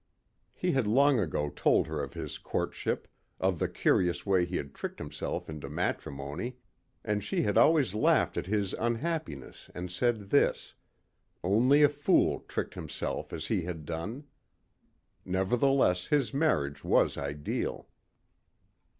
He had long ago told her of his courtship, of the curious way he had tricked himself into matrimony and she had always laughed at his unhappiness and said this only a fool tricked himself as he had done. Nevertheless his marriage was ideal.